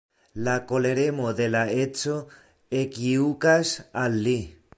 La koleremo de la edzo ekjukas al li.